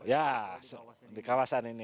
ya di kawasan ini